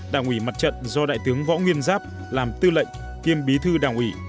đảng ủy mặt trận do đại tướng võ nguyên giáp làm tư lệnh kiêm bí thư đảng ủy